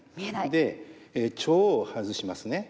で腸を外しますね。